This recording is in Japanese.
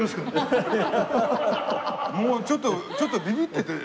もうちょっとちょっとビビってて。